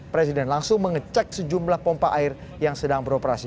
presiden langsung mengecek sejumlah pompa air yang sedang beroperasi